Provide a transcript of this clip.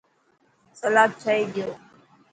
سلاد ٺهي گيو.